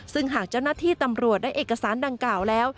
ซึ่งหากเจ้าหน้าที่ตำรวจได้เอกสารดังกล่าวแล้ว